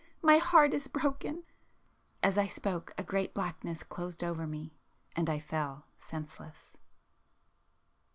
My heart is broken!" As I spoke, a great blackness closed over me,—and I fell senseless.